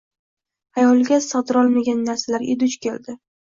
xayoliga sig‘dirolmagan narsalarga duch keldi.